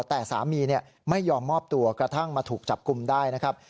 แต่สามีไม่ยอมมอบตัวกระทั่งมาถูกจับกลุ่มได้นะครับ